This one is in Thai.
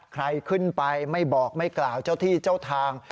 ใครขึ้นไปไม่บอกไม่กล่าวเจ้าที่เจ้าทาง